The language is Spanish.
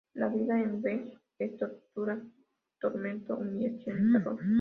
La vida en W es tortura, tormento, humillación, terror.